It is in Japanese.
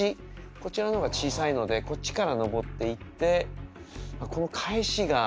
こちらの方が小さいのでこっちから登っていってこの返しが。